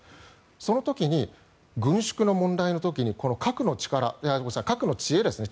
その時に軍縮の問題の時に核の知恵ですね